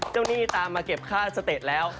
หนี้ตามมาเก็บค่าสเตจแล้ว